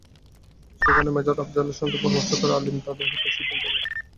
সেখানে মেজর আফজালের সঙ্গে পরামর্শ করে আলীম তাঁদের হত্যার সিদ্ধান্ত নেন।